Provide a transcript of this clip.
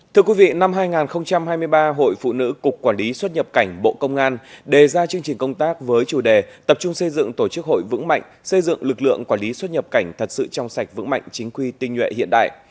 thưa quý vị năm hai nghìn hai mươi ba hội phụ nữ cục quản lý xuất nhập cảnh bộ công an đề ra chương trình công tác với chủ đề tập trung xây dựng tổ chức hội vững mạnh xây dựng lực lượng quản lý xuất nhập cảnh thật sự trong sạch vững mạnh chính quy tinh nhuệ hiện đại